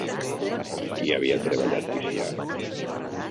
Amb qui havia treballat Ticià?